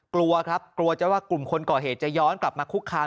กลัวครับกลัวจะว่ากลุ่มคนก่อเหตุจะย้อนกลับมาคุกคาม